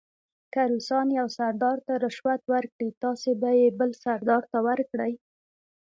که روسان یو سردار ته رشوت ورکړي تاسې به یې بل سردار ته ورکړئ.